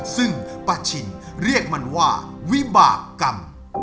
ซึ่งป้าชินเรียกมันว่าวิบากรรม